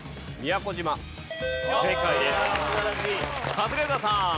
カズレーザーさん。